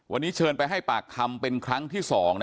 วันนี้เชิญไปให้ปากคำเป็นครั้งที่๒